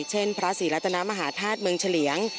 เช่นพระศรีรัตนามหาธาตุเมืองเฉลี่ยง